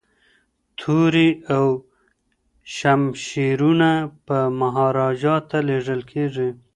توري او شمشیرونه به مهاراجا ته لیږل کیږي.